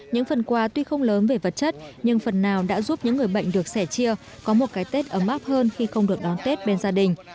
những phần quà tuy không lớn về vật chất nhưng phần nào đã giúp những người bệnh được sẻ chia có một cái tết ấm áp hơn khi không được đón tết bên gia đình